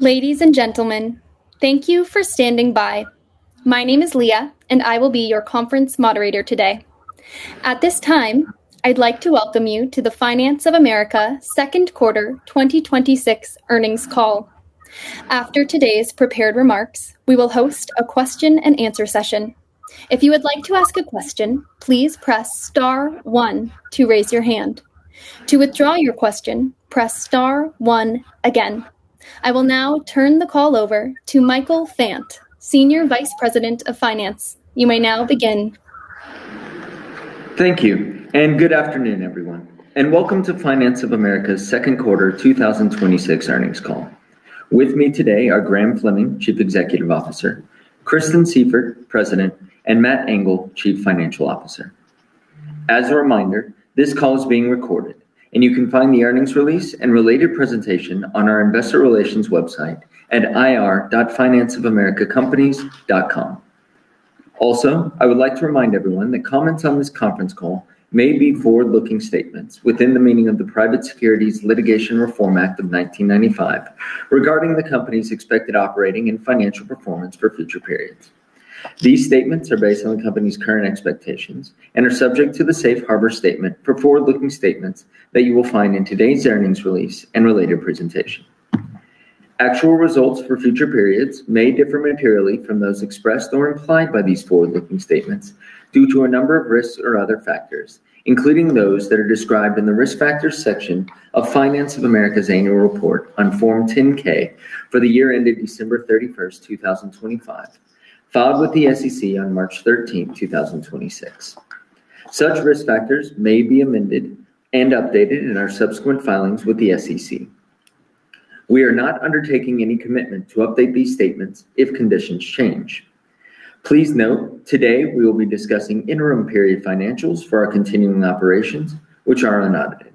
Ladies and gentlemen, thank you for standing by. My name is Leah, and I will be your conference moderator today. At this time, I'd like to welcome you to the Finance of America Q2 2026 earnings call. After today's prepared remarks, we will host a question and answer session. If you would like to ask a question, please press star one to raise your hand. To withdraw your question, press star one again. I will now turn the call over to Michael Fant, Senior Vice President of Finance. You may now begin. Thank you, good afternoon, everyone, and welcome to Finance of America's Q2 2026 earnings call. With me today are Graham Fleming, Chief Executive Officer, Kristen Sieffert, President, and Matt Engel, Chief Financial Officer. As a reminder, this call is being recorded, and you can find the earnings release and related presentation on our investor relations website at ir.financeofamericacompanies.com. I would like to remind everyone that comments on this conference call may be forward-looking statements within the meaning of the Private Securities Litigation Reform Act of 1995 regarding the company's expected operating and financial performance for future periods. These statements are based on the company's current expectations and are subject to the safe harbor statement for forward-looking statements that you will find in today's earnings release and related presentation. Actual results for future periods may differ materially from those expressed or implied by these forward-looking statements due to a number of risks or other factors, including those that are described in the Risk Factors section of Finance of America's annual report on Form 10-K for the year ended December 31st, 2025, filed with the SEC on March 13th, 2026. Such risk factors may be amended and updated in our subsequent filings with the SEC. We are not undertaking any commitment to update these statements if conditions change. Today we will be discussing interim period financials for our continuing operations, which are unaudited.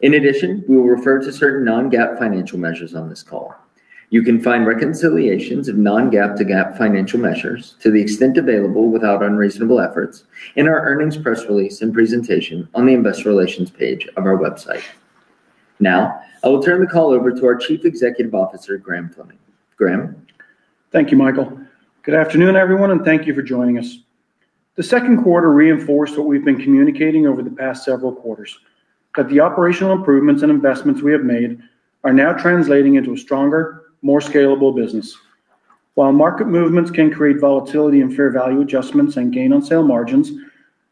We will refer to certain non-GAAP financial measures on this call. You can find reconciliations of non-GAAP to GAAP financial measures to the extent available without unreasonable efforts in our earnings press release and presentation on the investor relations page of our website. I will turn the call over to our Chief Executive Officer, Graham Fleming. Graham? Thank you, Michael. Good afternoon, everyone, and thank you for joining us. The Q2 reinforced what we've been communicating over the past several quarters, that the operational improvements and investments we have made are now translating into a stronger, more scalable business. While market movements can create volatility in fair value adjustments and gain on sale margins,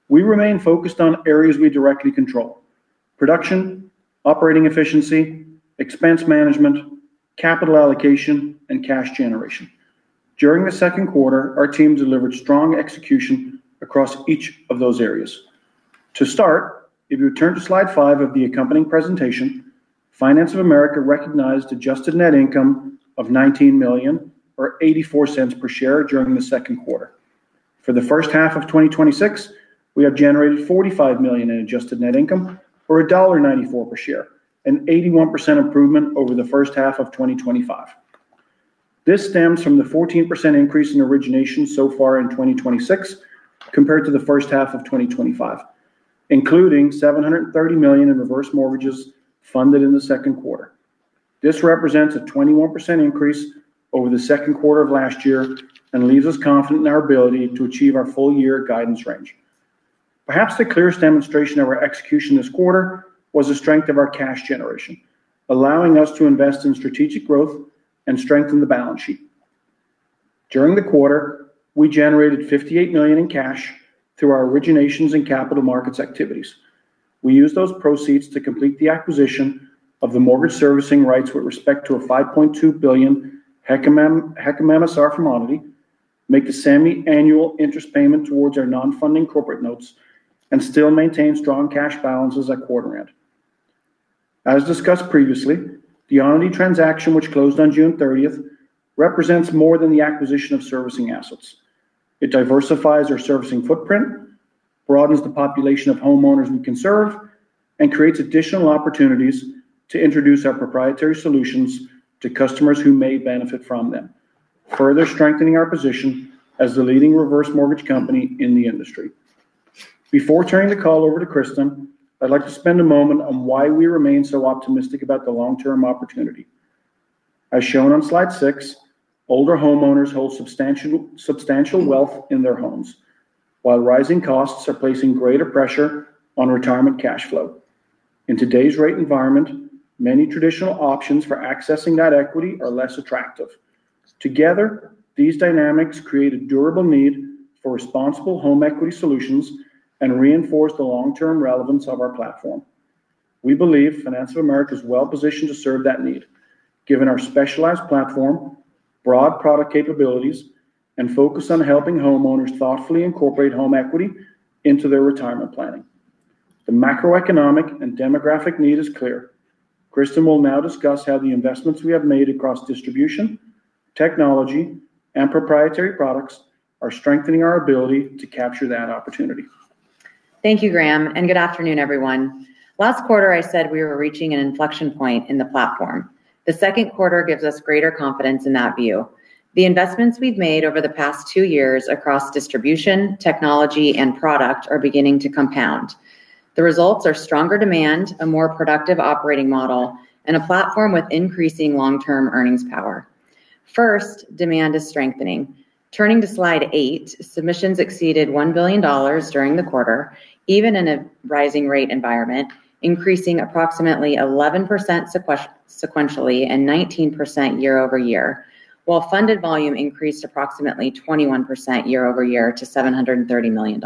we remain focused on areas we directly control. Production, operating efficiency, expense management, capital allocation, and cash generation. During the Q2, our team delivered strong execution across each of those areas. To start, if you turn to slide five of the accompanying presentation, Finance of America recognized adjusted net income of $19 million or $0.84 per share during the Q2. For the first half of 2026, we have generated $45 million in adjusted net income or $1.94 per share, an 81% improvement over the first half of 2025. This stems from the 14% increase in originations so far in 2026 compared to the first half of 2025, including $730 million in reverse mortgages funded in the Q2. This represents a 21% increase over the Q2 of last year and leaves us confident in our ability to achieve our full year guidance range. Perhaps the clearest demonstration of our execution this quarter was the strength of our cash generation, allowing us to invest in strategic growth and strengthen the balance sheet. During the quarter, we generated $58 million in cash through our originations and capital markets activities. We used those proceeds to complete the acquisition of the mortgage servicing rights with respect to a $5.2 billion HECM MSR facility, make the semi-annual interest payment towards our non-funding corporate notes, and still maintain strong cash balances at quarter end. As discussed previously, the Onity transaction which closed on June 30th represents more than the acquisition of servicing assets. It diversifies our servicing footprint, broadens the population of homeowners we can serve, and creates additional opportunities to introduce our proprietary solutions to customers who may benefit from them, further strengthening our position as the leading reverse mortgage company in the industry. Before turning the call over to Kristen, I'd like to spend a moment on why we remain so optimistic about the long-term opportunity. As shown on slide six, older homeowners hold substantial wealth in their homes, while rising costs are placing greater pressure on retirement cash flow. In today's rate environment, many traditional options for accessing that equity are less attractive. Together, these dynamics create a durable need for responsible home equity solutions and reinforce the long-term relevance of our platform. We believe Finance of America is well-positioned to serve that need, given our specialized platform, broad product capabilities, and focus on helping homeowners thoughtfully incorporate home equity into their retirement planning. The macroeconomic and demographic need is clear. Kristen will now discuss how the investments we have made across distribution, technology, and proprietary products are strengthening our ability to capture that opportunity. Thank you, Graham, and good afternoon, everyone. Last quarter, I said we were reaching an inflection point in the platform. The Q2 gives us greater confidence in that view. The investments we've made over the past two years across distribution, technology, and product are beginning to compound. The results are stronger demand, a more productive operating model, and a platform with increasing long-term earnings power. First, demand is strengthening. Turning to slide eight, submissions exceeded $1 billion during the quarter, even in a rising rate environment, increasing approximately 11% sequentially and 19% year-over-year. While funded volume increased approximately 21% year-over-year to $730 million.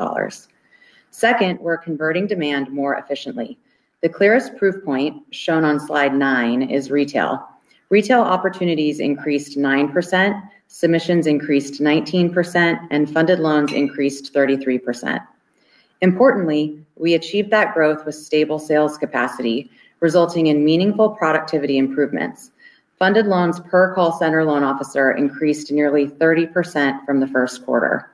Second, we're converting demand more efficiently. The clearest proof point, shown on Slide nine, is retail. Retail opportunities increased 9%, submissions increased 19%, and funded loans increased 33%. Importantly, we achieved that growth with stable sales capacity, resulting in meaningful productivity improvements. Funded loans per call center loan officer increased nearly 30% from the Q1.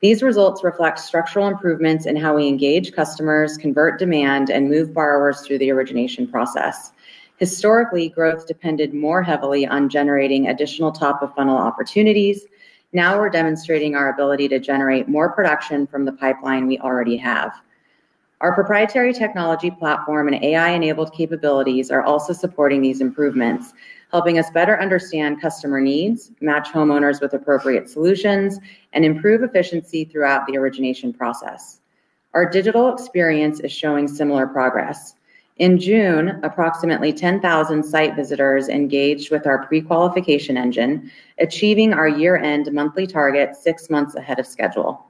These results reflect structural improvements in how we engage customers, convert demand, and move borrowers through the origination process. Historically, growth depended more heavily on generating additional top-of-funnel opportunities. Now we're demonstrating our ability to generate more production from the pipeline we already have. Our proprietary technology platform and AI-enabled capabilities are also supporting these improvements, helping us better understand customer needs, match homeowners with appropriate solutions, and improve efficiency throughout the origination process. Our digital experience is showing similar progress. In June, approximately 10,000 site visitors engaged with our pre-qualification engine, achieving our year-end monthly target six months ahead of schedule.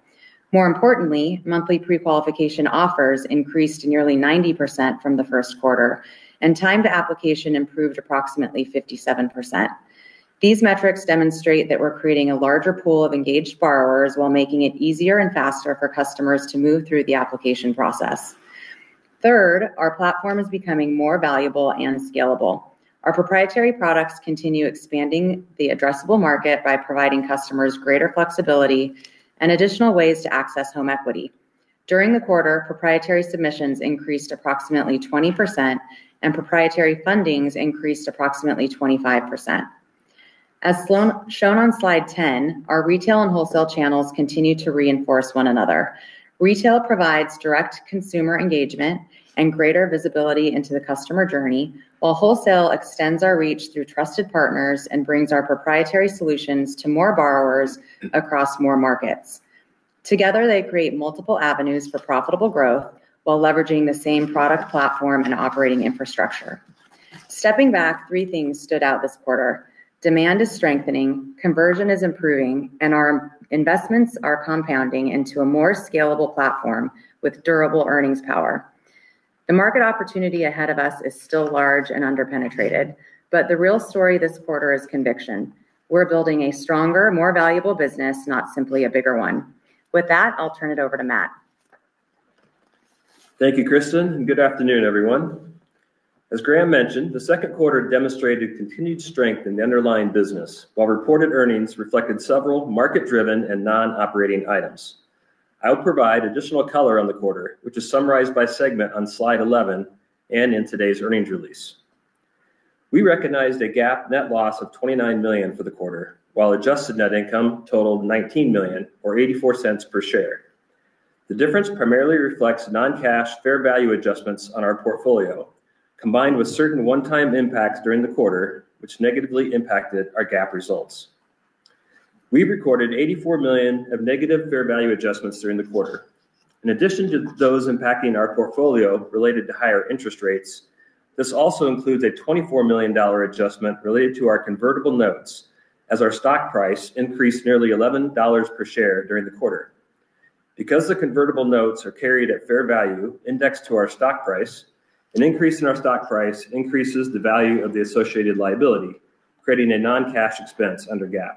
More importantly, monthly pre-qualification offers increased nearly 90% from the Q1, and time to application improved approximately 57%. These metrics demonstrate that we're creating a larger pool of engaged borrowers while making it easier and faster for customers to move through the application process. Third, our platform is becoming more valuable and scalable. Our proprietary products continue expanding the addressable market by providing customers greater flexibility and additional ways to access home equity. During the quarter, proprietary submissions increased approximately 20% and proprietary fundings increased approximately 25%. As shown on Slide 10, our retail and wholesale channels continue to reinforce one another. Retail provides direct consumer engagement and greater visibility into the customer journey, while wholesale extends our reach through trusted partners and brings our proprietary solutions to more borrowers across more markets. Together, they create multiple avenues for profitable growth while leveraging the same product platform and operating infrastructure. Stepping back, three things stood out this quarter. Demand is strengthening, conversion is improving, and our investments are compounding into a more scalable platform with durable earnings power. The market opportunity ahead of us is still large and under-penetrated, but the real story this quarter is conviction. We're building a stronger, more valuable business, not simply a bigger one. With that, I'll turn it over to Matt. Thank you, Kristen, and good afternoon, everyone. As Graham mentioned, the Q2 demonstrated continued strength in the underlying business while reported earnings reflected several market-driven and non-operating items. I'll provide additional color on the quarter, which is summarized by segment on Slide 11 and in today's earnings release. We recognized a GAAP net loss of $29 million for the quarter, while adjusted net income totaled $19 million or $0.84 per share. The difference primarily reflects non-cash fair value adjustments on our portfolio, combined with certain one-time impacts during the quarter which negatively impacted our GAAP results. We recorded $84 million of negative fair value adjustments during the quarter. In addition to those impacting our portfolio related to higher interest rates, this also includes a $24 million adjustment related to our convertible notes as our stock price increased nearly $11 per share during the quarter. Because the convertible notes are carried at fair value indexed to our stock price, an increase in our stock price increases the value of the associated liability, creating a non-cash expense under GAAP.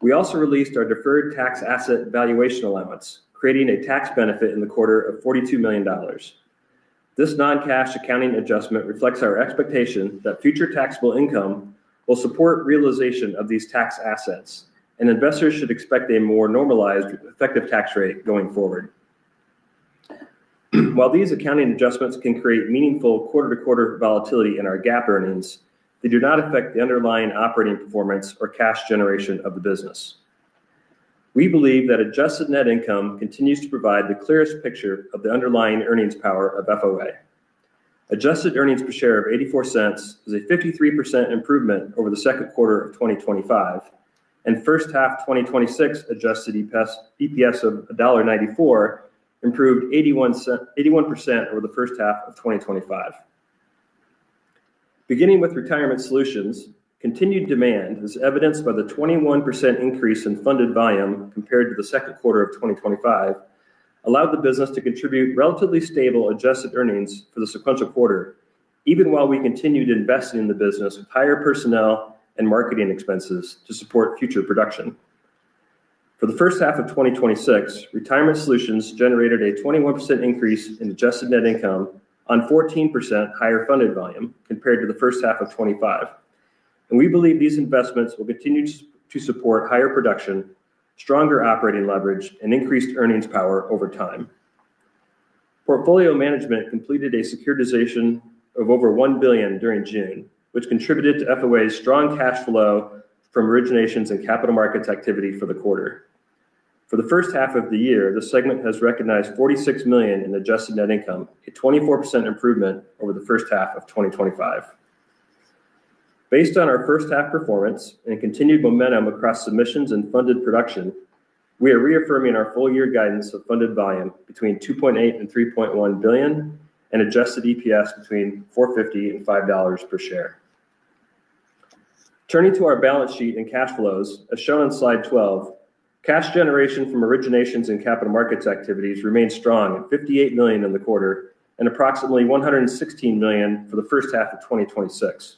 We also released our deferred tax asset valuation allowance, creating a tax benefit in the quarter of $42 million. This non-cash accounting adjustment reflects our expectation that future taxable income will support realization of these tax assets, and investors should expect a more normalized effective tax rate going forward. While these accounting adjustments can create meaningful quarter-to-quarter volatility in our GAAP earnings, they do not affect the underlying operating performance or cash generation of the business. We believe that adjusted net income continues to provide the clearest picture of the underlying earnings power of FOA. Adjusted earnings per share of $0.84 is a 53% improvement over the Q2 of 2025, and first half 2026 adjusted EPS of $1.94 improved 81% over the first half of 2025. Beginning with Retirement Solutions, continued demand, as evidenced by the 21% increase in funded volume compared to the Q2 of 2025, allowed the business to contribute relatively stable adjusted earnings for the sequential quarter, even while we continued investing in the business with higher personnel and marketing expenses to support future production. For the first half of 2026, Retirement Solutions generated a 21% increase in adjusted net income on 14% higher funded volume compared to the first half of 2025, and we believe these investments will continue to support higher production, stronger operating leverage, and increased earnings power over time. Portfolio Management completed a securitization of over $1 billion during June, which contributed to FOA's strong cash flow from originations and capital markets activity for the quarter. For the first half of the year, the segment has recognized $46 million in adjusted net income, a 24% improvement over the first half of 2025. Based on our first half performance and continued momentum across submissions and funded production, we are reaffirming our full year guidance of funded volume between $2.8 billion and $3.1 billion and adjusted EPS between $4.50 and $5 per share. Turning to our balance sheet and cash flows, as shown on Slide 12, cash generation from originations and capital markets activities remained strong at $58 million in the quarter and approximately $116 million for the first half of 2026.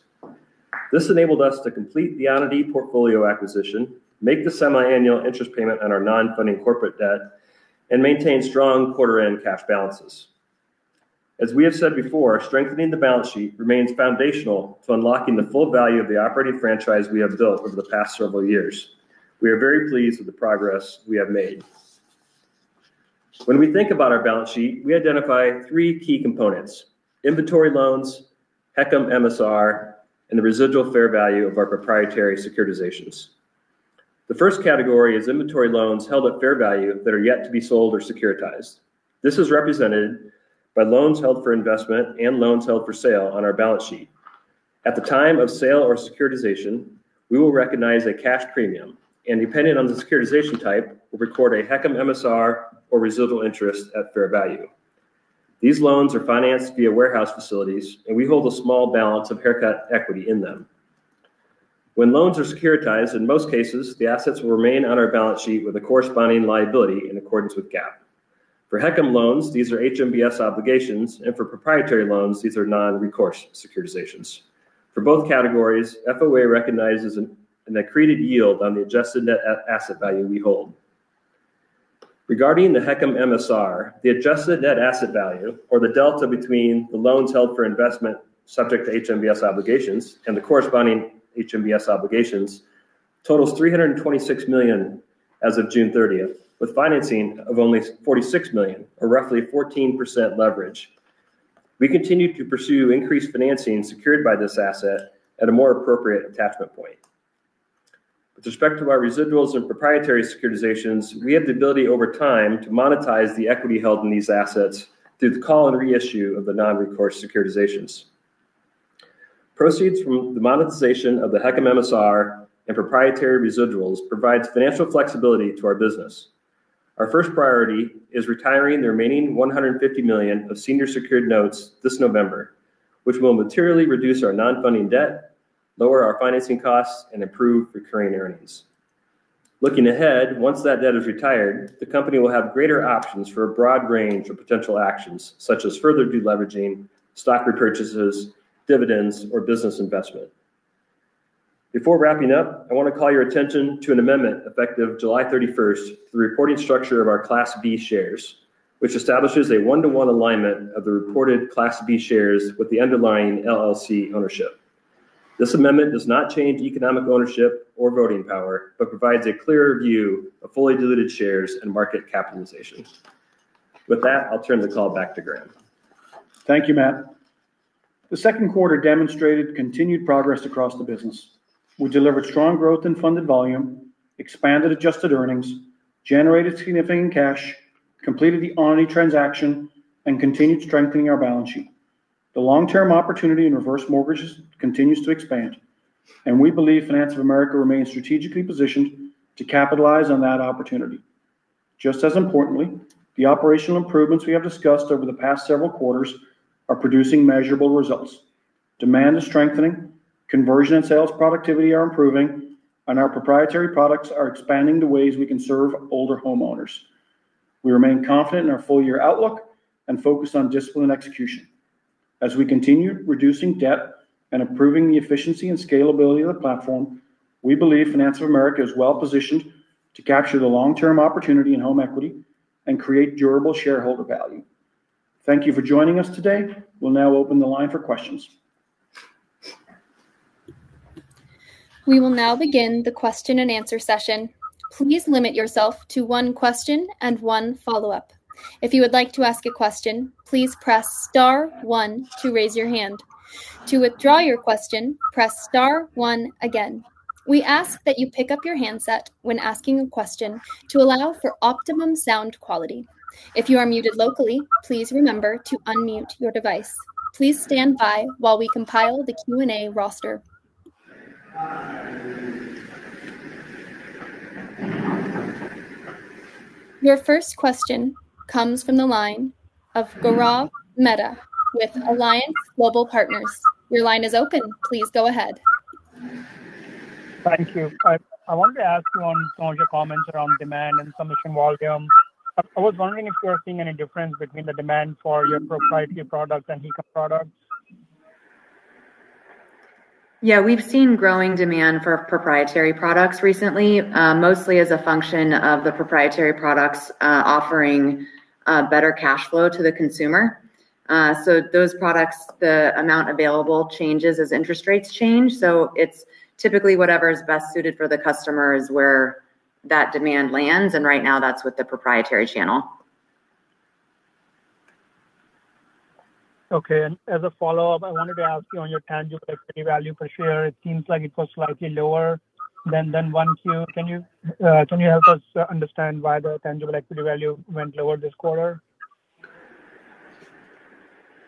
This enabled us to complete the Onity portfolio acquisition, make the semi-annual interest payment on our non-funding corporate debt, and maintain strong quarter-end cash balances. As we have said before, strengthening the balance sheet remains foundational to unlocking the full value of the operating franchise we have built over the past several years. We are very pleased with the progress we have made. When we think about our balance sheet, we identify three key components: inventory loans, HECM/MSR, and the residual fair value of our proprietary securitizations. The first category is inventory loans held at fair value that are yet to be sold or securitized. This is represented by loans held for investment and loans held for sale on our balance sheet. At the time of sale or securitization, we will recognize a cash premium and, depending on the securitization type, will record a HECM/MSR or residual interest at fair value. These loans are financed via warehouse facilities, and we hold a small balance of haircut equity in them. When loans are securitized, in most cases, the assets will remain on our balance sheet with a corresponding liability in accordance with GAAP. For HECM loans, these are HMBS obligations, and for proprietary loans, these are non-recourse securitizations. For both categories, FOA recognizes an accreted yield on the adjusted net asset value we hold. Regarding the HECM/MSR, the adjusted net asset value or the delta between the loans held for investment subject to HMBS obligations and the corresponding HMBS obligations totals $326 million as of June 30th, with financing of only $46 million, or roughly 14% leverage. We continue to pursue increased financing secured by this asset at a more appropriate attachment point. With respect to our residuals and proprietary securitizations, we have the ability over time to monetize the equity held in these assets through the call and reissue of the non-recourse securitizations. Proceeds from the monetization of the HECM/MSR and proprietary residuals provides financial flexibility to our business. Our first priority is retiring the remaining $150 million of senior secured notes this November, which will materially reduce our non-funding debt, lower our financing costs, and improve recurring earnings. Looking ahead, once that debt is retired, the company will have greater options for a broad range of potential actions, such as further deleveraging, stock repurchases, dividends, or business investment. Before wrapping up, I want to call your attention to an amendment effective July 31st for the reporting structure of our Class B shares, which establishes a one-to-one alignment of the reported Class B shares with the underlying LLC ownership. This amendment does not change economic ownership or voting power, but provides a clearer view of fully diluted shares and market capitalization. With that, I'll turn the call back to Graham. Thank you, Matt. The Q2 demonstrated continued progress across the business. We delivered strong growth in funded volume, expanded adjusted earnings, generated significant cash, completed the Onity transaction, and continued strengthening our balance sheet. The long-term opportunity in reverse mortgages continues to expand, and we believe Finance of America remains strategically positioned to capitalize on that opportunity. Just as importantly, the operational improvements we have discussed over the past several quarters are producing measurable results. Demand is strengthening, conversion and sales productivity are improving, and our proprietary products are expanding the ways we can serve older homeowners. We remain confident in our full-year outlook and focused on disciplined execution. As we continue reducing debt and improving the efficiency and scalability of the platform, we believe Finance of America is well positioned to capture the long-term opportunity in home equity and create durable shareholder value. Thank you for joining us today. We will now open the line for questions. We will now begin the question and answer session. Please limit yourself to one question and one follow-up. If you would like to ask a question, please press star one to raise your hand. To withdraw your question, press star one again. We ask that you pick up your handset when asking a question to allow for optimum sound quality. If you are muted locally, please remember to unmute your device. Please stand by while we compile the Q&A roster. Your first question comes from the line of Gaurav Mehta with Alliance Global Partners. Your line is open. Please go ahead. Thank you. I wanted to ask you on some of your comments around demand and submission volume. I was wondering if you are seeing any difference between the demand for your proprietary products and HECM products. Yeah. We've seen growing demand for proprietary products recently, mostly as a function of the proprietary products offering better cash flow to the consumer. Those products, the amount available changes as interest rates change. It's typically whatever is best suited for the customer is where that demand lands, and right now, that's with the proprietary channel. Okay. As a follow-up, I wanted to ask you on your tangible equity value per share, it seems like it was slightly lower than Q1. Can you help us understand why the tangible equity value went lower this quarter?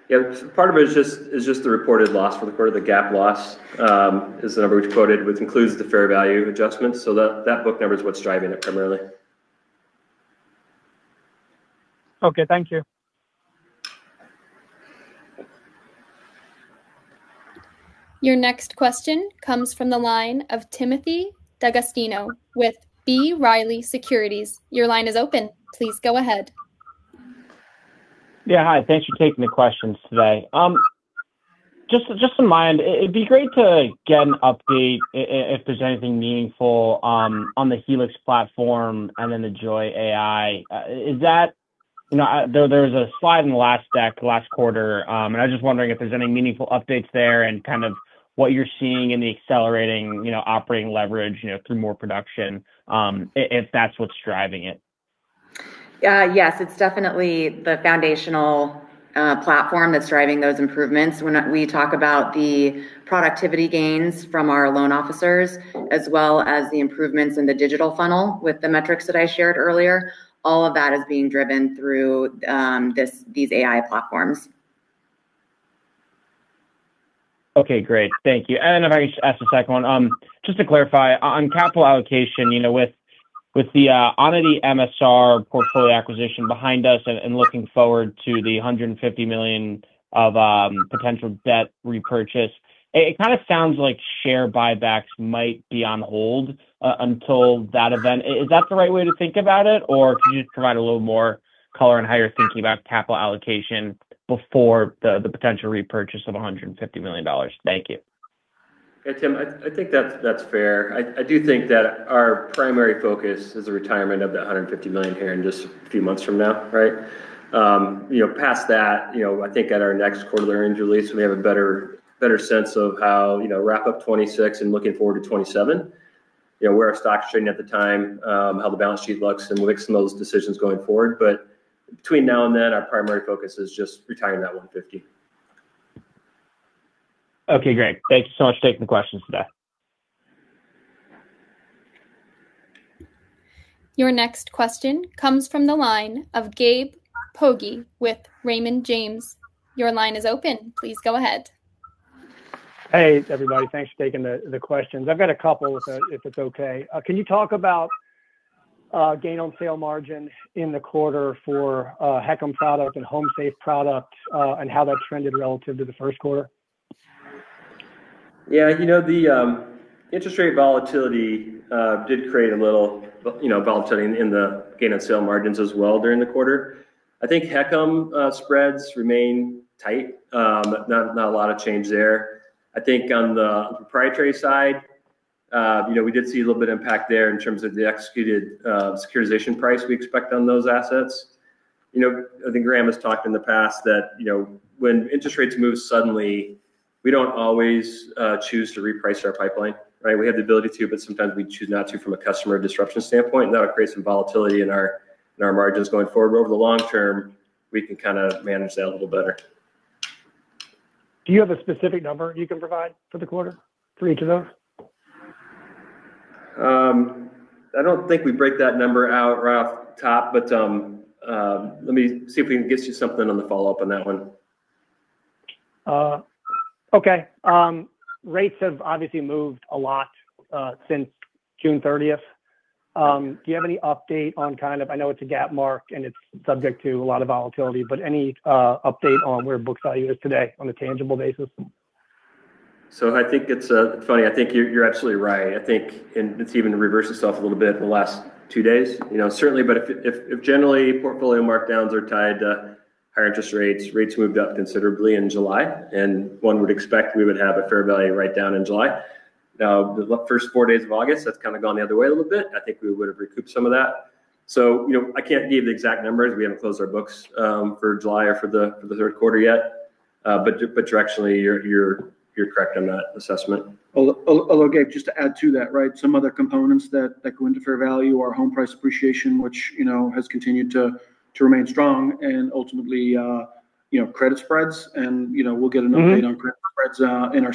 Yeah. Part of it is just the reported loss for the quarter, the GAAP loss is the number we've quoted, which includes the fair value adjustments. That book number is what's driving it primarily. Okay. Thank you. Your next question comes from the line of Timothy D'Agostino with B. Riley Securities. Your line is open. Please go ahead. Yeah. Hi. Thanks for taking the questions today. Just a minute, it'd be great to get an update if there's anything meaningful on the Helix platform and then the Joy AI. There was a slide in the last deck last quarter. I was just wondering if there's any meaningful updates there and what you're seeing in the accelerating operating leverage through more production, if that's what's driving it. Yes. It's definitely the foundational platform that's driving those improvements. When we talk about the productivity gains from our loan officers as well as the improvements in the digital funnel with the metrics that I shared earlier, all of that is being driven through these AI platforms. Okay, great. Thank you. If I could just ask a second one, just to clarify, on capital allocation, with the Onity MSR Portfolio acquisition behind us and looking forward to the $150 million of potential debt repurchase, it kind of sounds like share buybacks might be on hold until that event. Is that the right way to think about it? Could you just provide a little more color on how you're thinking about capital allocation before the potential repurchase of $150 million? Thank you. Yeah, Tim, I think that's fair. I do think that our primary focus is the retirement of the $150 million here in just a few months from now, right? Past that, I think at our next quarterly earnings release, when we have a better sense of how wrap up 2026 and looking forward to 2027, where our stock's trading at the time, how the balance sheet looks. We'll make some of those decisions going forward. Between now and then, our primary focus is just retiring that 150. Okay, great. Thank you so much for taking the questions today. Your next question comes from the line of Gabe Pogor with Raymond James. Your line is open. Please go ahead. Hey, everybody. Thanks for taking the questions. I've got a couple if it's okay. Can you talk about gain on sale margin in the quarter for HECM product and HomeSafe product, and how that's trended relative to the Q1? Yeah. The interest rate volatility did create a little volatility in the gain on sale margins as well during the quarter. I think HECM spreads remain tight. Not a lot of change there. I think on the proprietary side, we did see a little bit of impact there in terms of the executed securitization price we expect on those assets. I think Graham has talked in the past that when interest rates move suddenly, we don't always choose to reprice our pipeline. We have the ability to, but sometimes we choose not to from a customer disruption standpoint, and that would create some volatility in our margins going forward. Over the long term, we can kind of manage that a little better. Do you have a specific number you can provide for the quarter for each of those? I don't think we break that number out right off the top. Let me see if we can get you something on the follow-up on that one. Okay. Rates have obviously moved a lot since June 30th. Do you have any update on kind of, I know it's a GAAP mark and it's subject to a lot of volatility. Any update on where book value is today on a tangible basis? I think it's funny. I think you're absolutely right. It's even reversed itself a little bit in the last two days certainly. If generally Portfolio Management markdowns are tied to higher interest rates moved up considerably in July, and one would expect we would have a fair value write-down in July. The first four days of August, that's kind of gone the other way a little bit. I think we would've recouped some of that. I can't give the exact numbers. We haven't closed our books for July or for the third quarter yet. Directionally, you're correct on that assessment. Gabe, just to add to that, some other components that go into fair value are home price appreciation, which has continued to remain strong, and ultimately credit spreads. We'll get an update on credit spreads in our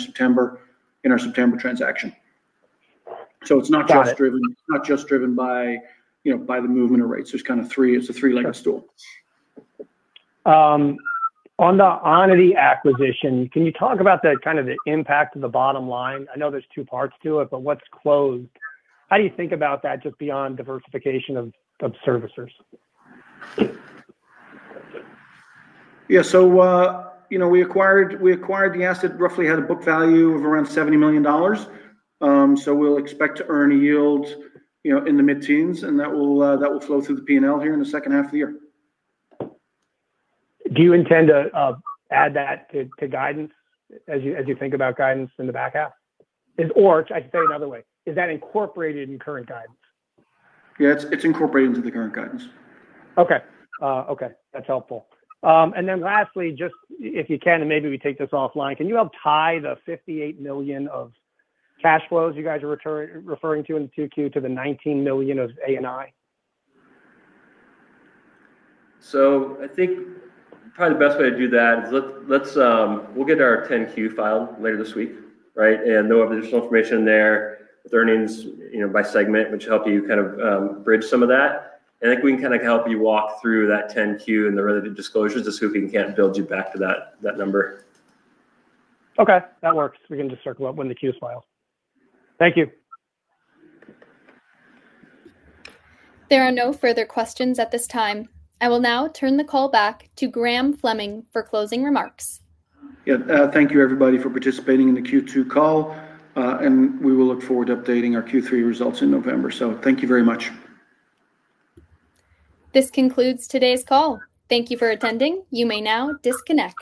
September transaction. Got it. It's not just driven by the movement of rates. It's a three-legged stool. On the Onity acquisition, can you talk about the impact to the bottom line? I know there's two parts to it, but what's closed? How do you think about that just beyond diversification of servicers? Yeah, we acquired the asset, roughly had a book value of around $70 million. We'll expect to earn a yield in the mid-teens, and that will flow through the P&L here in the second half of the year. Do you intend to add that to guidance as you think about guidance in the back half? I can say it another way, is that incorporated in current guidance? Yeah, it's incorporated into the current guidance. Okay. That's helpful. Lastly, just if you can, and maybe we take this offline, can you help tie the $58 million of cash flows you guys are referring to in 2Q to the $19 million of A&I? I think probably the best way to do that is we'll get our 10-Q filed later this week. There'll be additional information there with earnings by segment, which will help you kind of bridge some of that. I think we can help you walk through that 10-Q and the relevant disclosures to see if we can't build you back to that number. Okay, that works. We can just circle up when the Q's filed. Thank you. There are no further questions at this time. I will now turn the call back to Graham Fleming for closing remarks. Yeah. Thank you everybody for participating in the Q2 call. We will look forward to updating our Q3 results in November. Thank you very much. This concludes today's call. Thank you for attending. You may now disconnect.